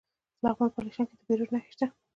د لغمان په الیشنګ کې د بیروج نښې شته.